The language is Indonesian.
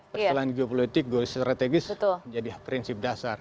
persoalan geopolitik strategis menjadi prinsip dasar